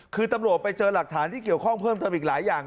คือตำรวจไปเจอหลักฐานที่เกี่ยวข้องเพิ่มเติมอีกหลายอย่าง